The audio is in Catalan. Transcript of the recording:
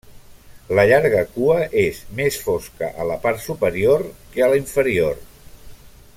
La llarga cua és més fosca a la part superior que a la inferior.